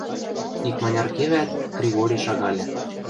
Икманяр кевӓт, Кригори шагальы.